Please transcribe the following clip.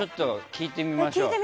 聞いてみましょう。